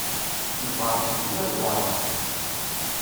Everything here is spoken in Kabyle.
Lberq izewwir-d rreεḍ.